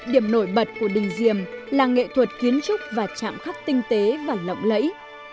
điểm nổi bật của đình diềm là nghệ thuật kiến trúc và chạm khắc tinh tế và lộng lẫy